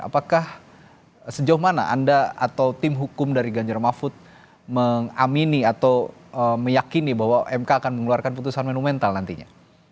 apakah sejauh mana anda atau tim hukum dari ganjar mahfud mengamini atau meyakini bahwa mk akan mengeluarkan putusan manumental nantinya